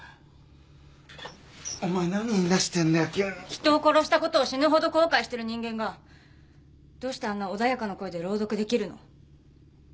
人を殺したことを死ぬほど後悔してる人間がどうしてあんな穏やかな声で朗読できるの？